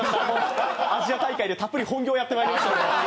アジア大会でたっぷり本業やってまいりましたので。